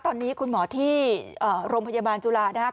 ตอนนี้คุณหมอที่โรงพยาบาลจุฬานะครับ